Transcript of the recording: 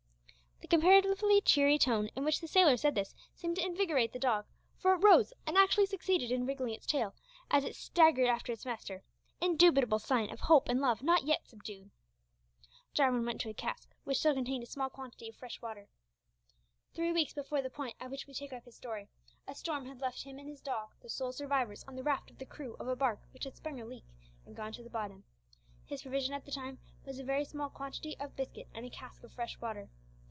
The comparatively cheery tone in which the sailor said this seemed to invigorate the dog, for it rose and actually succeeded in wriggling its tail as it staggered after its master indubitable sign of hope and love not yet subdued! Jarwin went to a cask which still contained a small quantity of fresh water. Three weeks before the point at which we take up his story, a storm had left him and his dog the sole survivors on the raft of the crew of a barque which had sprung a leak, and gone to the bottom. His provision at the time was a very small quantity of biscuit and a cask of fresh water.